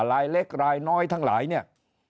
รายเล็กรายน้อยทั้งหลายเนี่ย